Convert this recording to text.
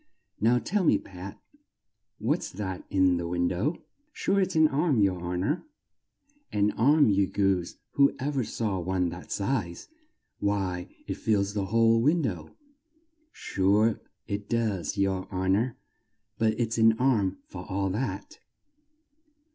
Now, tell me, Pat, what's that in the win dow?" "Sure it's an arm, yer hon or" "An arm, you goose! Who ever saw one that size? Why, it fills the whole win dow!" "Sure it does, yer hon or; but it's an arm for all that."